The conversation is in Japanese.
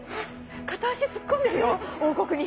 片足突っ込んでるよ王国に。